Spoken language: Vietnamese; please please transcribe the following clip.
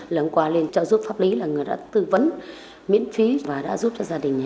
là hôm qua lên trợ giúp pháp lý là người đã tư vấn miễn phí và đã giúp cho gia đình